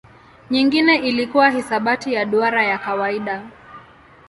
Nyingine ilikuwa hisabati ya duara ya kawaida.